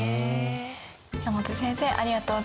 山本先生ありがとうございました。